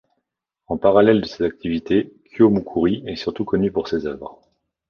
En parallèle de ces activités, Kuoh-Moukoury est surtout connue pour ses œuvres.